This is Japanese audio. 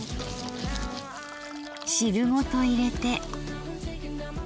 汁ごと入れて。